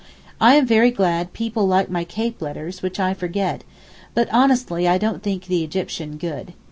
I am very glad people like my Cape letters which I forget—but honestly I don't think the Egyptian good.